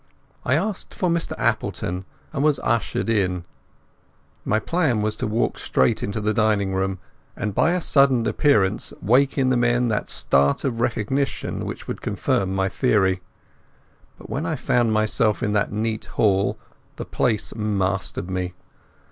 I asked for Mr Appleton, and was ushered in. My plan had been to walk straight into the dining room, and by a sudden appearance wake in the men that start of recognition which would confirm my theory. But when I found myself in that neat hall the place mastered me.